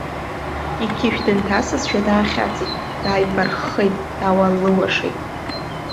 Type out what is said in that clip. Иқьышә дынҭасызшәа, даахьаҵит, дааибарххеит, даауалыуашеит.